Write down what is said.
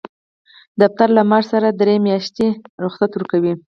دفتر له معاش سره درې میاشتې رخصت ورکوي.